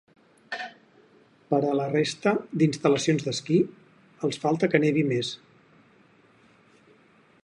Per a la resta d’instal·lacions d’esquí, els falta que nevi més.